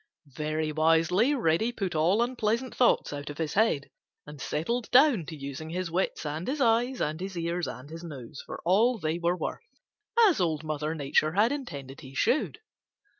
Very wisely Reddy put all unpleasant thoughts out of his head and settled down to using his wits and his eyes and his ears and his nose for all they were worth, as Old Mother Nature had intended he should.